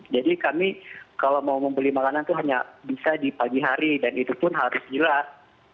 jadi kami kalau mau membeli makanan itu hanya bisa di pagi hari dan itu pun harus jelas